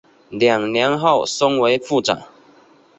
两年后升为部长。